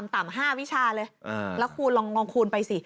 ต่ำ๕วิชาเลยลองคูณไปสิ